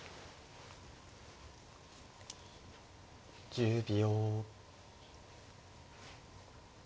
１０秒。